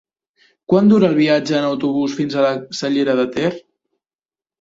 Quant dura el viatge en autobús fins a la Cellera de Ter?